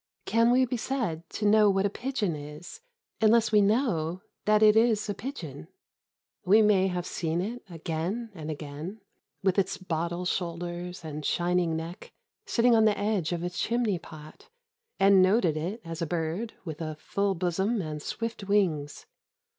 Can we be said to know what a pigeon is unless we know that it is a pigeon? We may have seen it again and again, with its bottle shoulders and shining neck, sitting on the edge of a chimney pot, and noted it as a bird with a full bosom and swift wings.